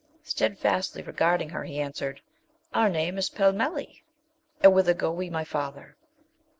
Stedfastly regarding her, he answered, 'Our name is Pellmelli.' 'And whither go we, my father?'